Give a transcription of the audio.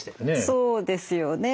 そうですよね。